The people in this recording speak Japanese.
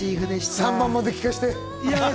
３番目まで聞かせて。